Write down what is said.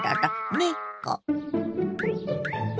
猫。